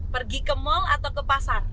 pergi ke mal atau ke pasar